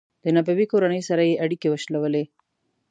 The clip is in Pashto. د نبوي کورنۍ سره یې اړیکې وشلولې.